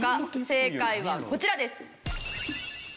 正解はこちらです。